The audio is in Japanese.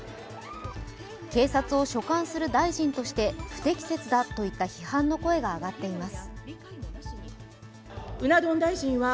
警察を所管する大臣として不適切だといった批判の声が上がっています。